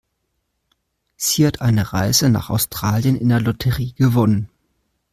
Sie hat eine Reise nach Australien in der Lotterie gewonnen.